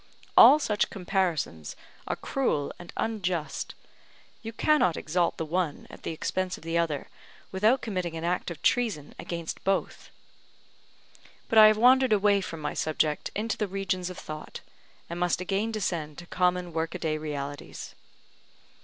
All such comparisons are cruel and unjust; you cannot exalt the one at the expense of the other without committing an act of treason against both. But I have wandered away from my subject into the regions of thought, and must again descend to common work a day realities.